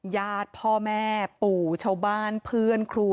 ญาติพ่อแม่ปู่ชาวบ้านเพื่อนครู